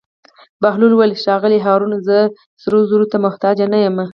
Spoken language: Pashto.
بهلول وویل: ښاغلی هارونه زه سرو زرو ته محتاج نه یم.